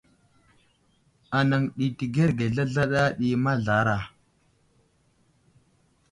Anaŋ ɗi təgerge zlazla ɗi mazlara.